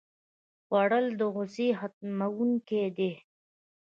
خوړل د غوسې ختموونکی دی